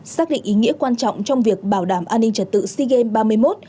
xác định ý nghĩa quan trọng trong việc bảo đảm an ninh trật tự sea games ba mươi một